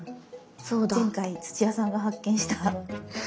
前回土屋さんが発見した。